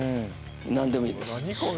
何でもいいです